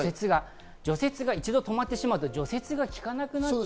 除雪が一度止まってしまうと、除雪が利かなくなる。